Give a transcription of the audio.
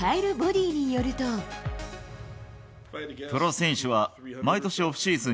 プロ選手は、毎年オフシーズ